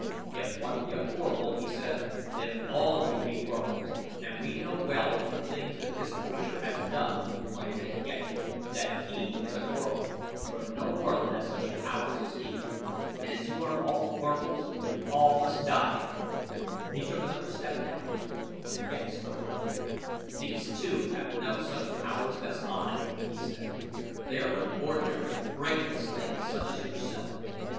"If one be a Corphal," he said, "then all of you be Corphals, and we know well from the things that this creature has done," he pointed at Ghek, "that he is a Corphal, for no mortal has such powers as he. And as you are all Corphals you must all die." He took another step downward, when Ghek spoke. "These two have no such powers as I," he said. "They are but ordinary, brainless things such as yourself.